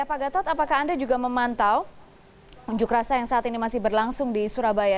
pak gatot apakah anda juga memantau unjuk rasa yang saat ini masih berlangsung di surabaya